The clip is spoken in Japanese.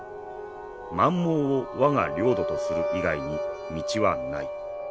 満蒙を我が領土とする以外に道はない。